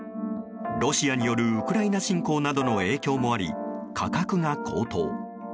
ロシアによるウクライナ侵攻などの影響もあり価格が高騰。